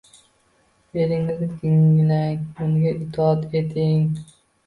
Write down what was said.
Eringizni tinglang, unga itoat eting.